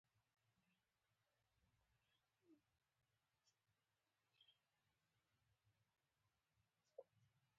ځینې خلک د لرګي کار په مسلک بدل کړی.